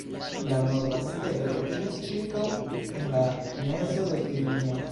La norda stelo troviĝas ĉirkaŭ en la mezo de tiu linio.